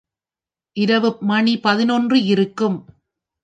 இரவு மணி பதினொன்று இருக்கும்.